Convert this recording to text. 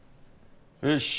よし！